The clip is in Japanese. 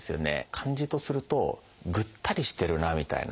感じとするとぐったりしてるなみたいな。